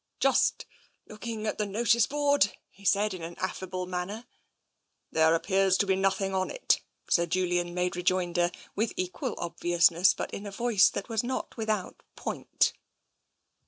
"Just looking at the notice board," he said, in an affable manner. "There appears to be nothing on it," Sir Julian made rejoinder, with equal obviousness, but in a voice that was not without point.